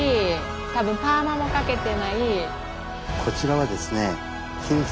多分パーマもかけてない。